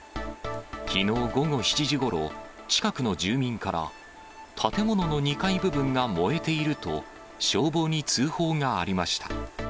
きのう午後７時ごろ、近くの住民から、建物の２階部分が燃えていると、消防に通報がありました。